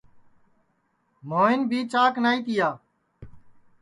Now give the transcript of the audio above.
موھن بھی چاک نائی تیا